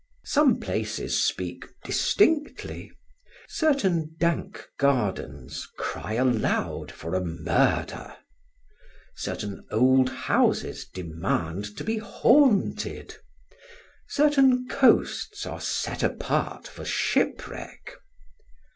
Some places speak distinctly. Certain dank gardens cry aloud for a murder; certain old houses demand to be haunted; certain coasts are set apart for ship wreck.